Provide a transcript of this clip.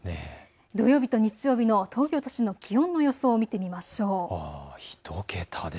土曜日と日曜日の東京都心の気温の予想を見てみましょう。